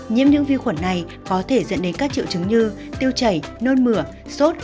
nhiễm những vi khuẩn này có thể dẫn đến các triệu chứng như tiêu chảy nôn mửa sốt